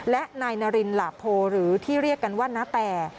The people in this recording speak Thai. และนายนารินหลาโพหรือที่เรียกกันว่าณแต่